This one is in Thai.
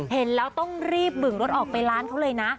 เห็นแล้วต้องรีบบึงรถออกไปร้านเขาเลยนะ